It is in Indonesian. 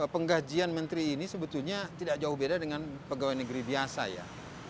penggajian menteri ini sebetulnya tidak jauh beda dengan pegawai negeri biasa ya